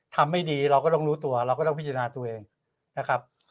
ไม่ดีเราก็ต้องรู้ตัวเราก็ต้องพิจารณาตัวเองนะครับ